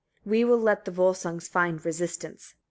We will let the Volsungs find resistance."